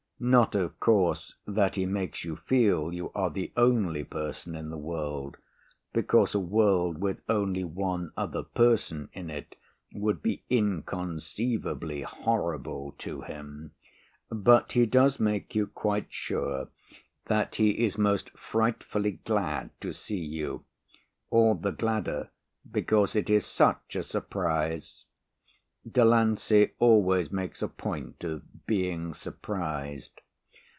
Not, of course, that he makes you feel you are the only person in the world because a world with only one other person in it would be inconceivably horrible to him, but he does make you quite sure that he is most frightfully glad to see you all the gladder because it is such a surprise. Delancey always makes a point of being surprised.